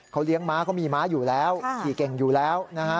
เขาเลี้ยงม้าเขามีม้าอยู่แล้วขี่เก่งอยู่แล้วนะฮะ